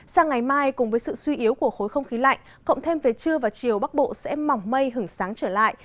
sang ngày mai cùng với sự suy yếu của khối không khí lạnh cộng thêm về trưa và chiều bắc bộ sẽ mỏng mây hứng sáng trở lại